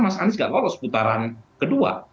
mas anies gak lolos putaran kedua